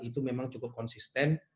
itu memang cukup konsisten